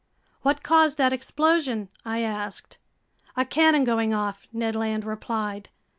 "What caused that explosion?" I asked. "A cannon going off," Ned Land replied.